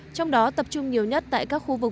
trong đó tập trung nhiều nhất tại các khu vực